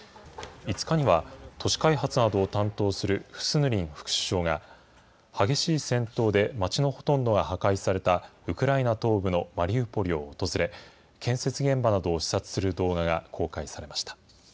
５日には、都市開発などを担当するフスヌリン副首相が激しい戦闘で街のほとんどが破壊されたウクライナ東部のマリウポリを訪れ、建設現場などを視察する動画が公開されました。